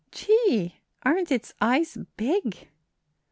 "Gee! aren't its eyes big?"